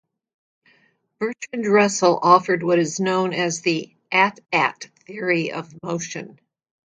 Bertrand Russell offered what is known as the "at-at theory of motion".